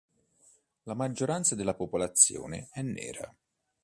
La maggioranza della popolazione è nera.